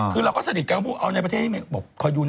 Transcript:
คือเราก็สนิทกับเขาเอาในประเทศที่มันมีชื่อเสียง